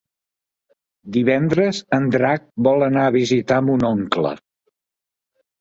Divendres en Drac vol anar a visitar mon oncle.